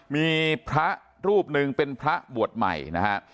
มีพระรูปหนึ่งเป็นพระบวชใหม่นะฮะ